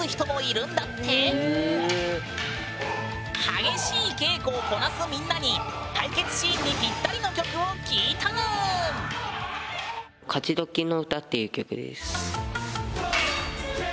激しい稽古をこなすみんなに「対決シーンにぴったりの曲」を聞いたぬん！